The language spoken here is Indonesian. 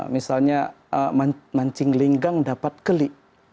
misalnya mancing linggang dapat keli